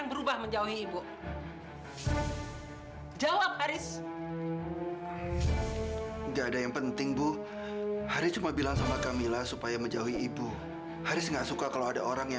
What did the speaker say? eh kamu itu siapa datang datang